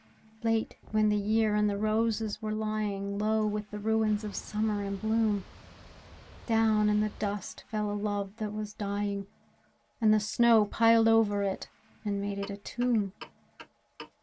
Late, when the year and the roses were lying Low with the ruins of Summer and bloom, Down in the dust fell a love that was dying, And the snow piled over it, and made it a tomb.